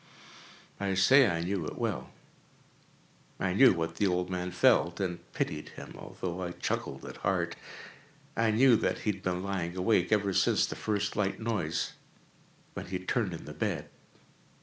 I say I knew it well. I knew what the old man felt, and pitied him, although I chuckled at heart. I knew that he had been lying awake ever since the first slight noise, when he had turned in the bed.